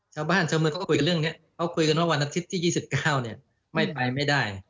ชาวบ้านชาวเมืองเขาก็คุยกันเรื่องนี้เขาคุยกันว่าวันอาทิตย์ที่๒๙ไม่ไปไม่ได้